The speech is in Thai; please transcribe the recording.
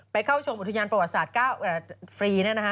เข้าชมอุทยานประวัติศาสตร์๙ฟรี